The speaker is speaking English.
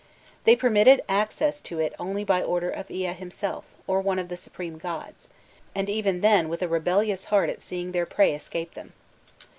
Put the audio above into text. They permitted access to it only by order of Ea himself, or one of the supreme gods, and even then with a rebellious heart at seeing their prey escape them.